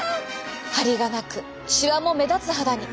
はりがなくしわも目立つ肌に。